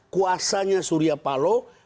kuasanya surya paloh